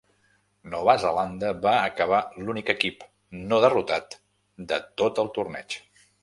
Nova Zelanda va acabar l'únic equip "no derrotat" de tot el torneig.